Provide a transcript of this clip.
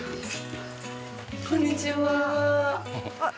こんにちは